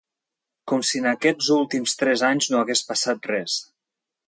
Com si en aquests últims tres anys no hagués passat res.